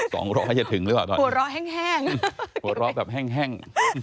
สองร้อยจะถึงหรือเปล่าหัวเราะแห้ง